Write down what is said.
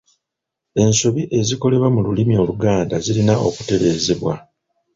Ensobi ezikolebwa mu lulimi Oluganda zirina okutereezebwa.